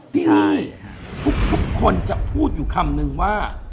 ที่นี่ทุกคนจะพูดอยู่คำหนึ่งว่า